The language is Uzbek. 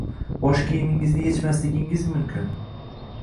Bosh kiyimingizni yechmasligingiz mumkin.